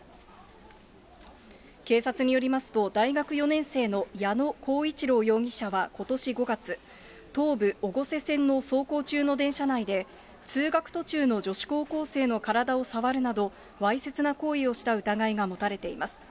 警察によりますと、大学４年生の矢野光一郎容疑者はことし５月、東武越生線の走行中の電車内で、通学途中の女子高校生の体を触るなど、わいせつな行為をした疑いが持たれています。